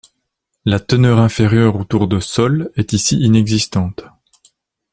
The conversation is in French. La teneur inférieure autour de Sol est ici inexistante.